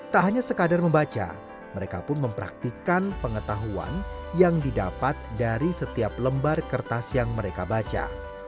tak hanya sekadar membaca mereka pun mempraktikan pengetahuan yang didapat dari setiap lembar kertas yang mereka baca